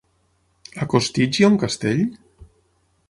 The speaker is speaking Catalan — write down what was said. A Costitx hi ha un castell?